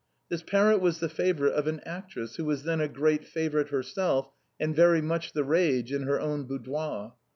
This parrot was the favorite of an actress who was then a great favorite herself, and very much the rage — in her own boudoir.